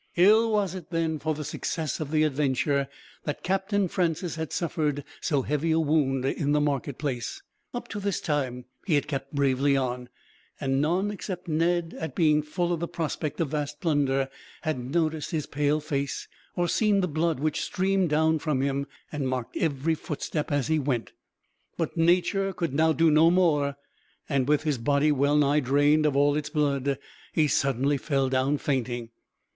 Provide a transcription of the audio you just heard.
Ill was it, then, for the success of the adventure, that Captain Francis had suffered so heavy a wound in the marketplace. Up to this time he had kept bravely on, and none except Ned, all being full of the prospect of vast plunder, had noticed his pale face, or seen the blood which streamed down from him, and marked every footstep as he went; but nature could now do no more and, with his body well nigh drained of all its blood, he suddenly fell down fainting.